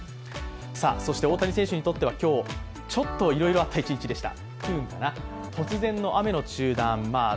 そして大谷選手にとってはちょっといろいろあった一日でした。